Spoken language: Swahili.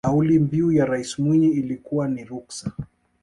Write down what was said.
kauli mbiu ya rais mwinyi ilikuwa ni ruksa